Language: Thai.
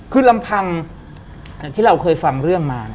คือลำพังที่เราเคยฟังเรื่องมา